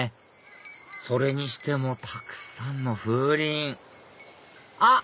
それにしてもたくさんの風鈴あっ！